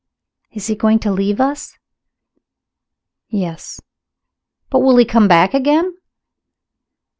"Is he going to leave us?" "Yes." "But he will come back again?"